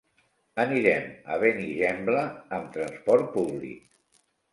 Anirem a Benigembla amb transport públic.